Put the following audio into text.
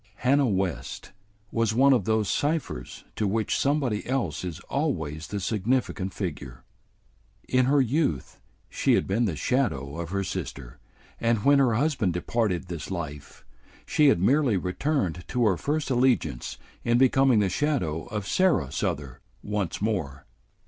Hannah West was one of those ciphers to which somebody else is always the significant figure. In her youth she had been the shadow of her sister, and when her husband departed this life, she had merely returned to her first allegiance in becoming the shadow of Sarah Souther once more.